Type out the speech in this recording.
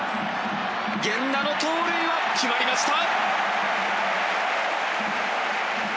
源田の盗塁は決まりました！